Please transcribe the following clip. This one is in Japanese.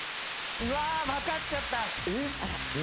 わかっちゃった！